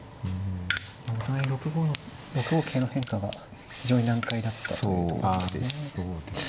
お互い６五桂の変化が非常に難解だったというところですね。